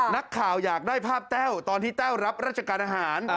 นักข่าวอยากได้ภาพแต้วตอนที่แต้วรับราชการอาหาร